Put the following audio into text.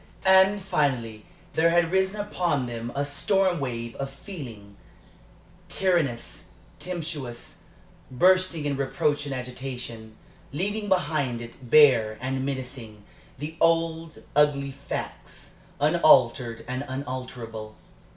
And, finally, there had risen upon them a storm wave of feeling tyrannous, tempestuous bursting in reproach and agitation, leaving behind it, bare and menacing, the old, ugly facts, unaltered and unalterable.